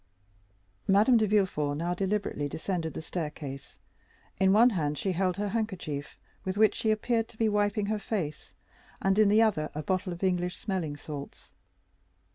Madame de Villefort now deliberately descended the staircase. In one hand she held her handkerchief, with which she appeared to be wiping her face, and in the other a bottle of English smelling salts.